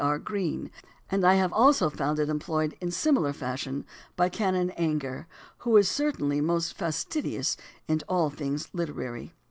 R. Green (p. 22), and I have also found it employed in similar fashion by Canon Ainger (Life, p. 142), who was certainly most fastidious in all things literary.